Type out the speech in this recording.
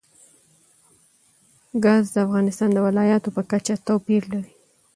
ګاز د افغانستان د ولایاتو په کچه توپیر لري.